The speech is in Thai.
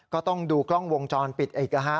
ก็ต้องดูกล้องวงจรปิดอีกนะฮะ